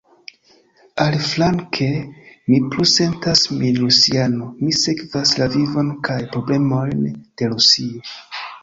Aliflanke, mi plu sentas min rusiano: mi sekvas la vivon kaj problemojn de Rusio.